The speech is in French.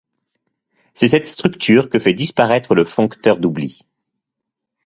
C'est cette structure que fait disparaître le foncteur d'oubli.